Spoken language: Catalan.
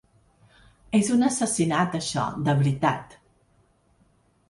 És un assassinat, això, de veritat.